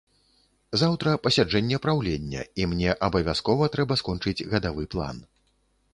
Заўтра пасяджэнне праўлення, і мне абавязкова трэба скончыць гадавы план.